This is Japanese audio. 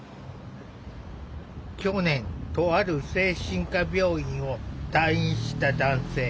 去年とある精神科病院を退院した男性。